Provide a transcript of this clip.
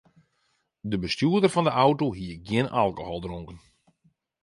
De bestjoerder fan de auto hie gjin alkohol dronken.